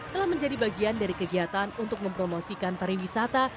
telah menjadi bagian dari kegiatan untuk mempromosikan pariwisata